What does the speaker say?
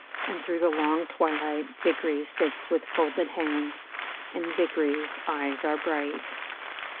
And through the long twilight Viekeiy sits with folded hands. And Vicker/s eyes are bright.